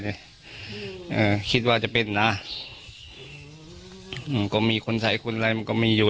เนี้ยเออคิดว่าจะเป็นน่ะก็มีคนใสคนไรมันก็มีอยู่